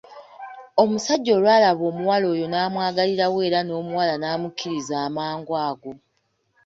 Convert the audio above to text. Omusajja olw'alaba omuwala oyo n'amwagalirawo era n'omuwala n'amukkiriza amangu ago.